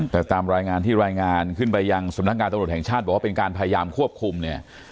แต่ตามรายงานที่รายงานขึ้นไปยังสำนักงานตำรวจแห่งชาติบอกว่าเป็นการพยายามควบคุมเนี่ย